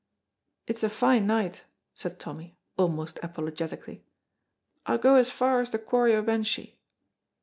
"It's a fine night," said Tommy, almost apologetically, "I'll go as far as the quarry o' Benshee."